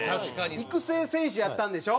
育成選手やったんでしょ？